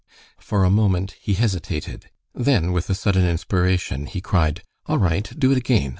For a moment he hesitated, then with a sudden inspiration, he cried, "All right. Do it again.